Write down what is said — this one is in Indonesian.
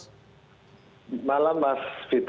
selamat malam mas vito